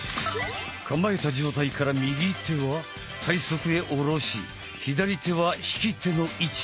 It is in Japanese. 構えた状態から右手は体側へ下ろし左手は引き手の位置へ。